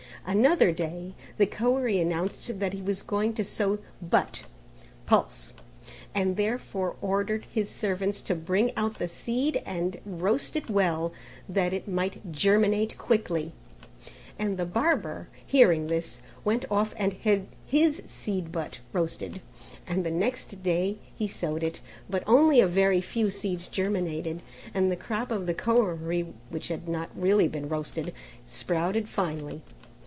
Another day the Koeri announced that he was going to sow but (pulse) and therefore ordered his servants to bring out the seed and roast it well, that it might germinate quickly; and the barber hearing this went off and had his seed but roasted and the next day he sowed it, but only a very few seeds germinated, while the crop of the Koeri which had not really been roasted sprouted finely.